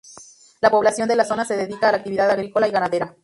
La población de la zona se dedica a la actividad agrícola y ganadera.